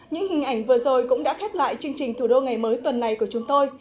những hình ảnh vừa rồi cũng đã khép lại chương trình thủ đô ngày mới tuần này của chúng tôi